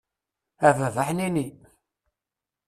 A baba ḥnini!